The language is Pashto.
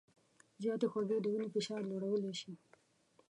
زیاتې خوږې د وینې فشار لوړولی شي.